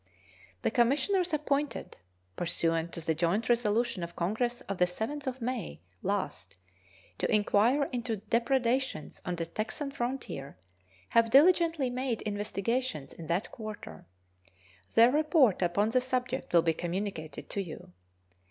The commissioners appointed, pursuant to the joint resolution of Congress of the 7th of May last, to inquire into depredations on the Texan frontier have diligently made investigations in that quarter. Their report upon the subject will be communicated to you.